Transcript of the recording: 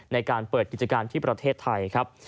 ในการเปิดกิจการที่ประเทศไทยครับ